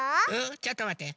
ちょっとまって。